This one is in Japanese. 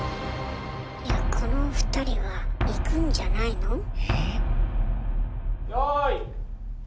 いやこの２人はいくんじゃないの？